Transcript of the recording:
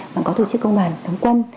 và có tổ chức công đoàn thống quân